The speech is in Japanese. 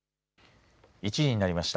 １時になりました。